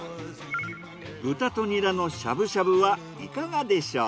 豚とニラのしゃぶしゃぶはいかがでしょう？